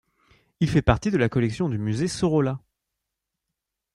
Il fait partie de la collection du Musée Sorolla.